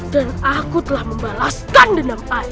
dan aku telah membalaskan dendam ayah